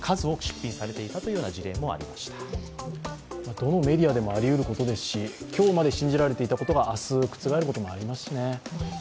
どのメディアでもありえることですし、今日まで信じられていたことが明日覆ることもありますしね。